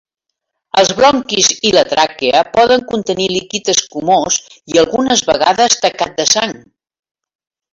Els bronquis i la tràquea poden contenir líquid escumós i algunes vegades tacat de sang.